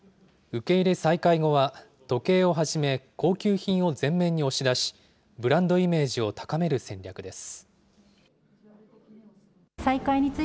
受け入れ再開後は、時計をはじめ、高級品を前面に押し出し、ブランドイメージを高める戦略です。